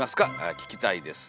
聞きたいですね」。